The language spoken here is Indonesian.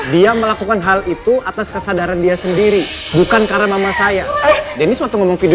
dia melakukan hal itu atas kesadaran dia sendiri bukan karena mama saya